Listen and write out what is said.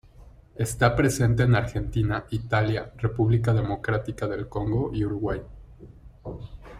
Está presente en Argentina, Italia, República Democrática del Congo y Uruguay.